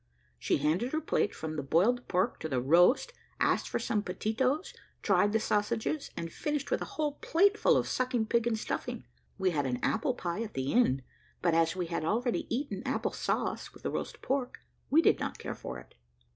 She handed her plate from the boiled pork to the roast, asked for some pettitoes, tried the sausages, and finished with a whole plateful of sucking pig and stuffing. We had an apple pie at the end, but as we had already eaten apple sauce with the roast pork, we did not care for it.